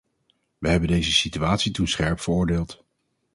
Wij hebben deze situatie toen scherp veroordeeld.